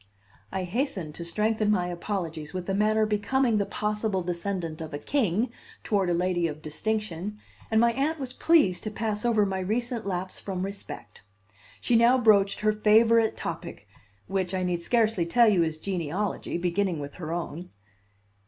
I hastened to strengthen my apologies with a manner becoming the possible descendant of a king toward a lady of distinction, and my Aunt was pleased to pass over my recent lapse from respect. She now broached her favorite topic, which I need scarcely tell you is genealogy, beginning with her own.